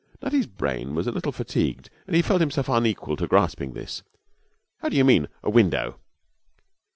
Nutty's brain was a little fatigued and he felt himself unequal to grasping this. 'How do you mean, a window?'